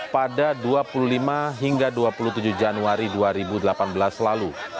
pada dua puluh lima hingga dua puluh tujuh januari dua ribu delapan belas lalu